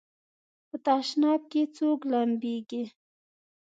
په تشناب کې څوک لمبېږي؟